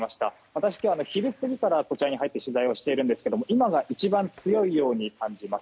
私、今日昼過ぎからこちらに入って取材しているんですが今が一番強いように感じます。